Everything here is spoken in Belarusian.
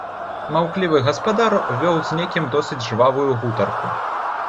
Маўклівы гаспадар вёў з некім досыць жвавую гутарку.